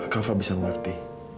kava bisa mengerti